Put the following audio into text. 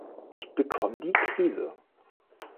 Ich bekomm die Krise.